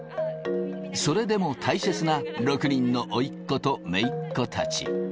それでも大切な６人のおいっ子とめいっ子たち。